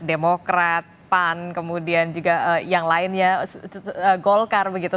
demokrat pan kemudian juga yang lainnya golkar begitu